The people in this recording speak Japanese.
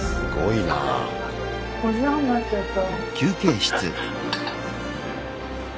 ５時半になっちゃった。